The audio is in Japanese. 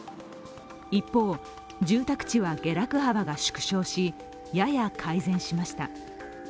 一方、住宅地は下落幅が縮小しやや改善しました。